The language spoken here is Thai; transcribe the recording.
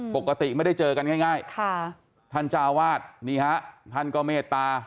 ปกติไม่ได้เจอกันง่ายท่านเจ้าวาดนี่ฮะท่านก็เมตตา